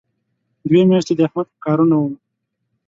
دوې میاشتې د احمد په کارونو وم.